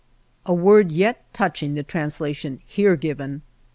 A word yet touching the translation here given.